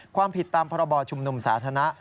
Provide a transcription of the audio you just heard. ความผิดตามพรบชุมนุมสาธารณะ